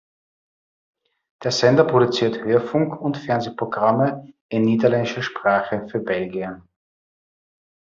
Der Sender produziert Hörfunk- und Fernsehprogramme in niederländischer Sprache für Belgien.